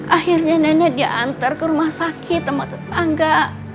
akhirnya nenek diantar ke rumah sakit sama tetangga